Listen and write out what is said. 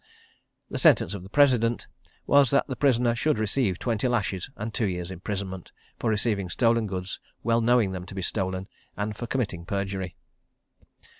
The sentence of the President was that prisoner should receive twenty lashes and two years' imprisonment, for receiving stolen goods, well knowing them to be stolen, and for committing perjury.